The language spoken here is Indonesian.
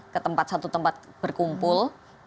ke satu tempat berkumpul